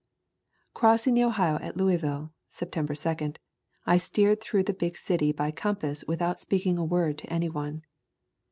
] Crossing the Ohio at Louisville [September 2], I steered through the big city by compass without speak ing a word to any one.